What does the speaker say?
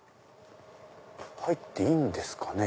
入っていいんですかね？